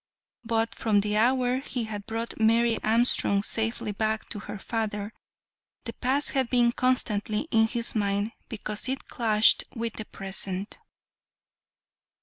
But from the hour he had brought Mary Armstrong safely back to her father, the past had been constantly in his mind because it clashed with the present.